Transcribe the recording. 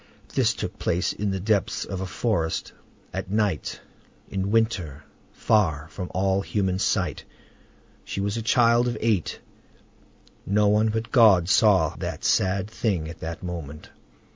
This took place in the depths of a forest, at night, in winter, far from all human sight; she was a child of eight: no one but God saw that sad thing at the moment.